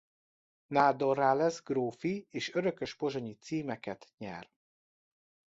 Nádorrá lesz grófi és örökös pozsonyi címeket nyer.